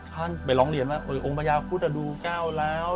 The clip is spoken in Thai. เขาก็ไปร้องเรียนว่าโอ้ยองค์พระยาคุฑดูก้าวแล้ว